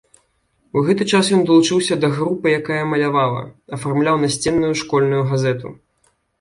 У гэты час ён далучыўся да групы, якая малявала, афармляў насценную школьную газету.